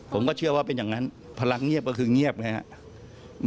ผมก็เชื่อว่าเป็นอย่างนั้นพลังเงียบก็คือเงียบไงครับ